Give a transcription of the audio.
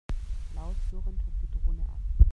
Laut surrend hob die Drohne ab.